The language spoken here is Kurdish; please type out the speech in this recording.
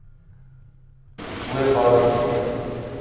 Wê barandiye.